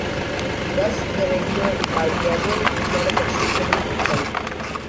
Thus the regular myriagon is not a constructible polygon.